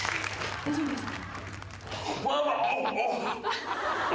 大丈夫ですか？